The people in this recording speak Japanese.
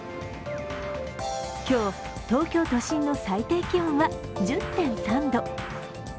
今日、東京都心の最低気温は１０．３度。